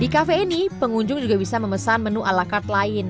di kafe ini pengunjung juga bisa memesan menu ala card lain